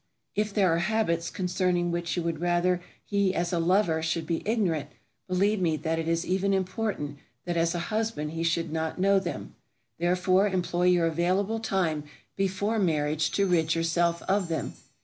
If there are habits concerning which you would rather he as a lover should be ignorant, believe me that it is even more important that as a husband he should not know them. Therefore employ your available time before marriage to rid yourself of them.